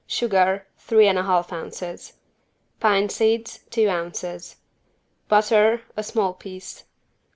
Sugar, three and a half ounces. Pine seeds, two ounces. Butter, a small piece.